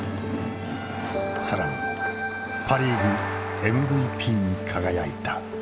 更にパ・リーグＭＶＰに輝いた。